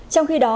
trong khi đó